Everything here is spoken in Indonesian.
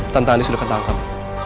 tante andy sudah ketangkep